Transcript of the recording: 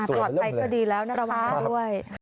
อืมตอบไปก็ดีแล้วนะครับประวัติด้วย